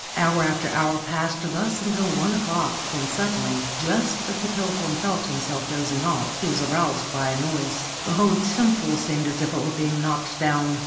Hour after hour passed thus until one o'clock, when suddenly, just as the pilgrim felt himself dozing off, he was aroused by a noise. The whole temple seemed as if it were being knocked down.